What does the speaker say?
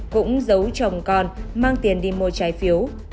cũng giấu chồng con mang tiền đi mua trái phiếu